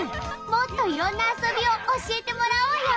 もっといろんな遊びを教えてもらおうよ。